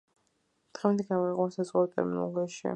დღემდე გამოიყენება საზღვაო ტერმინოლოგიაში.